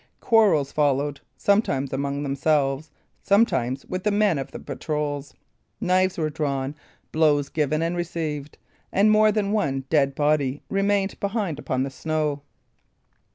Quarrels followed, sometimes among themselves, sometimes with the men of the patrols; knives were drawn, blows given and received, and more than one dead body remained behind upon the snow.